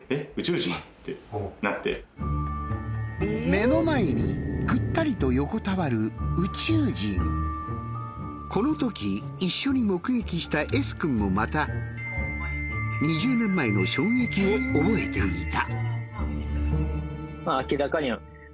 目の前にぐったりと横たわるこのとき一緒に目撃したＳ君もまたを覚えていた。